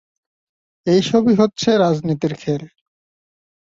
এসবই হচ্ছে রাজনীতির খেল!